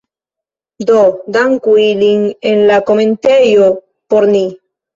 Do, danku ilin en la komentejo por ni